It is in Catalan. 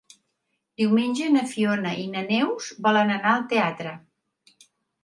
Diumenge na Fiona i na Neus volen anar al teatre.